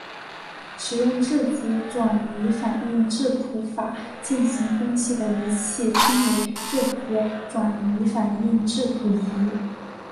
使用质子转移反应质谱法进行分析的仪器称为质子转移反应质谱仪。